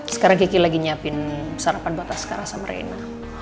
sekarang kiki lagi nyiapin sarapan batas karasa merena